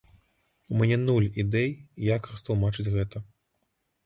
У мяне нуль ідэй, як растлумачыць гэта.